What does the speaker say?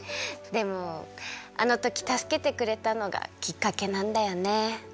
でもあのときたすけてくれたのがきっかけなんだよね。